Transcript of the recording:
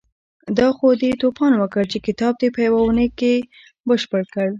دا خو دې توپان وکړ چې کتاب دې په يوه اونۍ کې بشپړ کړ.